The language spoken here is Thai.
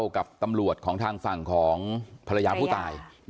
ก็เป็นคำกล่าวกับตำรวจของทางฝั่งของภรรยาผู้ตาย